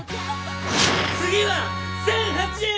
次は１００８円！